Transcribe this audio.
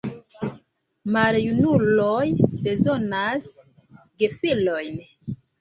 Maljunuloj bezonas gefilojn.